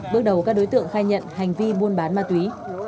bước đầu các đối tượng khai nhận hành vi buôn bán ma túy